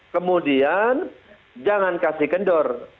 kemudian jangan kasih kendor